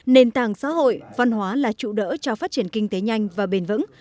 nền tảng xã hội văn hóa là trụ đỡ cho phát triển kinh tế nhanh và bền vững